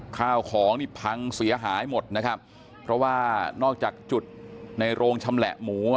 ข้าวของนี่พังเสียหายหมดนะครับเพราะว่านอกจากจุดในโรงชำแหละหมูอ่ะ